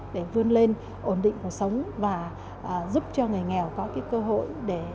để vươn lên ổn định cuộc sống và giúp cho người nghèo có cơ hội để